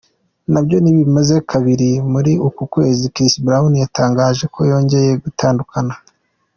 nabyo ntibimaze kabiri muri uku kwezi Chris Brown yatangaje ko yongeye gutandukana.